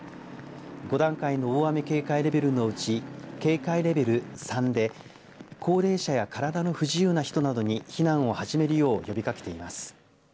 ５段階の大雨警戒レベルのうち警戒レベル３で高齢者や体の不自由な人などに避難を始めるよう呼びかけています。